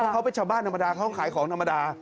เขาเป็นชาวบ้านธรรมดาเขาขายของธรรมดา